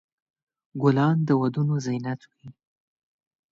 ګلان د ودونو زینت وي.